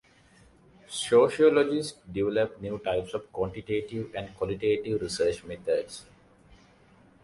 Sociologists developed new types of quantitative and qualitative research methods.